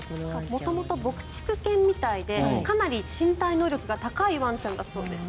元々牧畜犬みたいでかなり身体能力が高いワンちゃんだそうです。